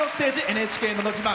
「ＮＨＫのど自慢」。